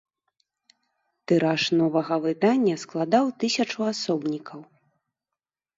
Тыраж новага выдання складаў тысячу асобнікаў.